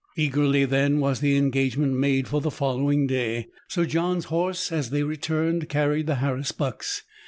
Eagerly, then, was the engagement made for the following day. Sir John's horse, as they returned, carried the harris bucks.